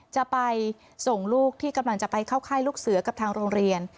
จะไปส่งลูกที่กำลังจะไปเข้าค่ายลูกเสือกับทางโรงเรียน